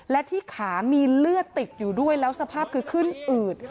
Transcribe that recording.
และที่ขามีเลือดติดอยู่ด้วยแล้วสภาพคือขึ้นอืด